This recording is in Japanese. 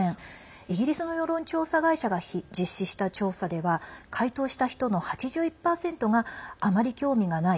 イギリスの世論調査会社が実施した調査では回答した人の８１％が「あまり興味がない」。